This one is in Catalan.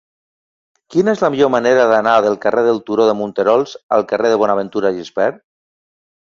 Quina és la millor manera d'anar del carrer del Turó de Monterols al carrer de Bonaventura Gispert?